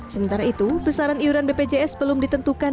sementara itu besaran iuran bpjs belum ditentukan